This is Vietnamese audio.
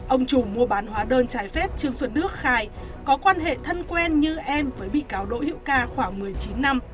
ông chủ mua bán hóa đơn trái phép trương xuân nước khai có quan hệ thân quen như em với bị cáo đỗ hữu ca khoảng một mươi chín năm